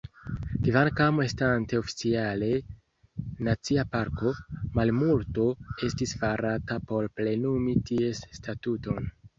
Kvankam estante oficiale nacia parko, malmulto estis farata por plenumi ties statuton.